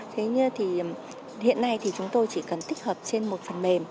thế nhưng thì hiện nay thì chúng tôi chỉ cần tích hợp trên một phần mềm